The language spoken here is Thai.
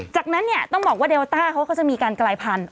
จากนั้นเนี่ยต้องบอกว่าเดลต้าเขาก็จะมีการกลายพันธุ